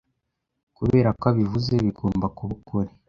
Kubera ko abivuze, bigomba kuba ukuri.